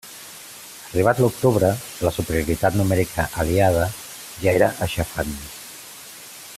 Arribat l'octubre, la superioritat numèrica aliada ja era aixafant.